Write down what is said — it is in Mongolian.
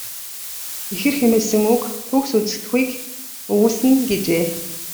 Ихэр хэмээсэн үг төгс үзэгдэхүйг өгүүлсэн нь." гэжээ.